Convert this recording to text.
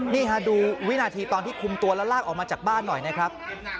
นี่ฮะดูวินาทีตอนที่คุมตัวแล้วลากออกมาจากบ้านหน่อยนะครับ